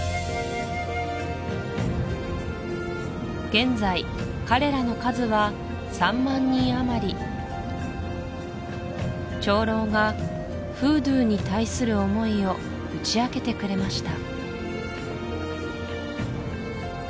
現在彼らの数は３万人あまり長老がフードゥーに対する思いを打ち明けてくれました